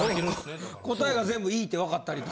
答えが全部「ｅ」って分かったりとか。